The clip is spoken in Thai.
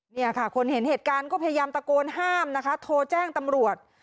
เนี่ยค่ะคนเห็นเหตุการณ์ก็พยายามตะโกนห้ามนะคะโทรแจ้งตำรวจ